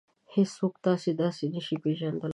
هېڅوک تاسې داسې نشي پېژندلی.